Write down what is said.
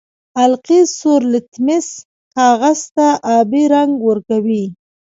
القلي سور لتمس کاغذ ته آبي رنګ ورکوي.